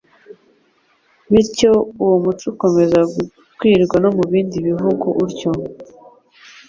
Bityo uwo muco ukomeza gukwira no mu bindi bihugu utyo.